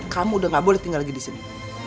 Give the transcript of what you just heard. kamu udah gak boleh tinggal lagi di sini